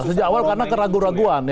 sejak awal karena keraguan keraguan